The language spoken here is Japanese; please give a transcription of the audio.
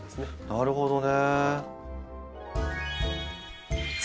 なるほどね。